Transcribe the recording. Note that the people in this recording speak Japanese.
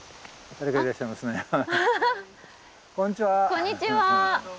こんにちは。